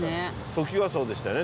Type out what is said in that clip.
トキワ荘でしたよね？